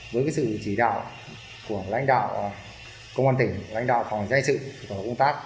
với sự chỉ đạo của lãnh đạo công an tỉnh lãnh đạo phòng giấy sự phòng công tác